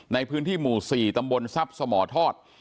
ในพื้นที่หมู่๔ตำบลทรัพย์สมทอด